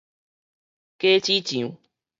果子醬